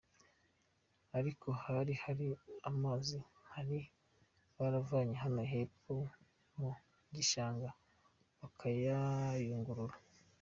Ariko hari hari amazi bari baravanye hano hepfo mu gishanga bakayayungurura.